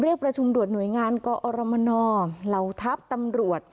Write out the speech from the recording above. ประชุมด่วนหน่วยงานกอรมนเหล่าทัพตำรวจ